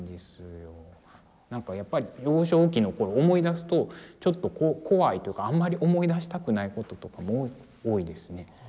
なんかやっぱり幼少期の頃思い出すとちょっと怖いというかあんまり思い出したくないこととかも多いですね。